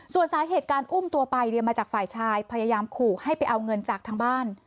ส่วนสาเหตุการอุ้มตัวไปเนี่ยมาจากฝ่ายชายพยายามขู่ให้ไปเอาเงินจากทางบ้าน